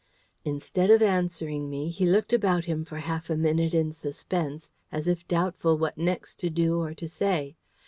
Instead of answering me, he looked about him for half a minute in suspense, as if doubtful what next to do or to say.